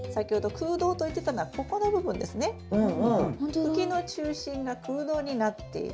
茎の中心が空洞になっている。